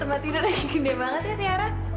tempat tidurnya gede banget ya tiara